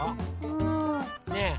うん。ねえ？